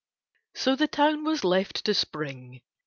So the town was left to Spring.